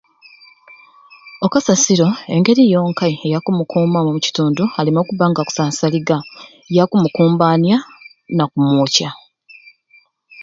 O kasasiro engeri yonkai eyakumukuumamu omukitundu aleme okubba nga akusansaliga yakumukumbanya na kumwokya.